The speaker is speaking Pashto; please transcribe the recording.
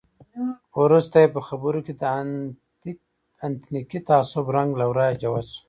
وروسته یې په خبرو کې د اتنیکي تعصب رنګ له ورایه جوت شو.